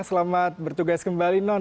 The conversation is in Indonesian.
selamat bertugas kembali non